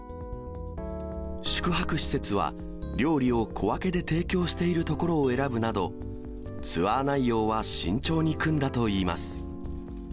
宿泊施設は料理を小分けで提供しているところを選ぶなど、ツアー内容は慎重に組んだといいます。